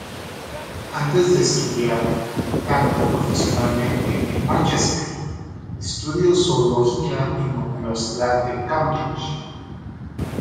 Antes de estudiar canto profesionalmente en Mánchester, estudió zoología en la Universidad de Cambridge.